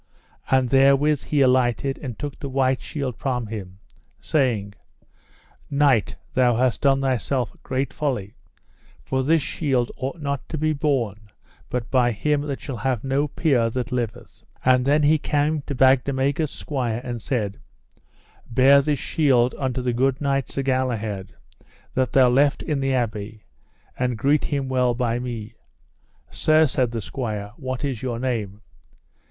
And therewith he alighted and took the white shield from him, saying: Knight, thou hast done thyself great folly, for this shield ought not to be borne but by him that shall have no peer that liveth. And then he came to Bagdemagus' squire and said: Bear this shield unto the good knight Sir Galahad, that thou left in the abbey, and greet him well by me. Sir, said the squire, what is your name?